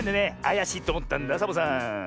あやしいっておもったんだサボさん。